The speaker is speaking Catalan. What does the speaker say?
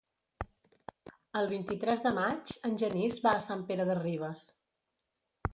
El vint-i-tres de maig en Genís va a Sant Pere de Ribes.